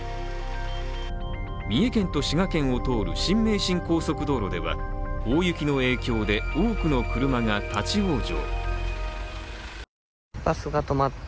三重県と滋賀県を通る新名神高速道路では大雪の影響で多くの車が立往生。